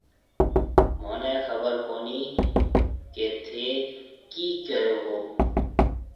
مهونَي خبر ڪهوني ڪيَ ٿَي ڪِي ڪهيو هون۔